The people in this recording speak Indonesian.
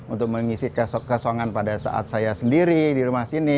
untuk mengisi kesongan pada saat saya sendiri di rumah sini